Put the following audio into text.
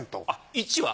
１は？